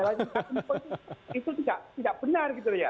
itu tidak benar gitu ya